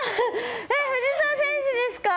藤澤選手ですか？